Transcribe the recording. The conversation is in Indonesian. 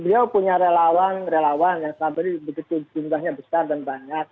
beliau punya relawan relawan yang sebenarnya jumlahnya besar dan banyak